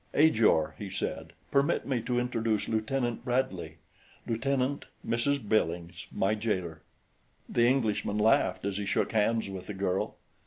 "Ajor," he said, "permit me to introduce Lieutenant Bradley; Lieutenant, Mrs. Billings my jailer!" The Englishman laughed as he shook hands with the girl.